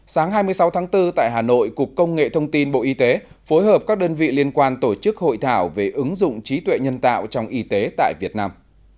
sáng hai mươi sáu tháng bốn tại hà nội cục công nghệ thông tin bộ y tế phối hợp các đơn vị liên quan tổ chức hội thảo về ứng dụng trí tuệ nhân tạo trong y tế tại việt nam